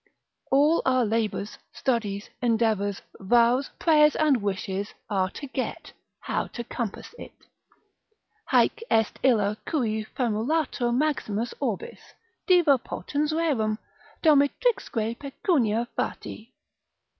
——— All our labours, studies, endeavours, vows, prayers and wishes, are to get, how to compass it. Haec est illa cui famulatur maximus orbis, Diva potens rerum, domitrixque pecunia fati.